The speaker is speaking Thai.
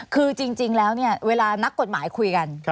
คือจริงแล้วเนี่ยเวลานักกฎหมายคุยกัน